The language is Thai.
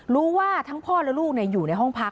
รู้ว่าทั้งพ่อและลูกอยู่ในห้องพัก